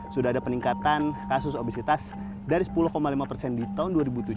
sudah ada peningkatan kasus obesitas dari sepuluh lima persen di tahun dua ribu tujuh belas